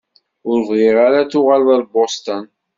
Ur bɣiɣ ara ad tuɣaleḍ ar Boston.